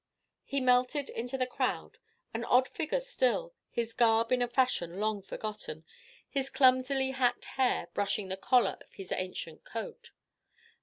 He melted into the crowd, an odd figure still, his garb in a fashion long forgotten, his clumsily hacked hair brushing the collar of his ancient coat.